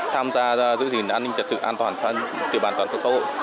tham gia giữ gìn an ninh trật sự an toàn tự bản toàn trong xã hội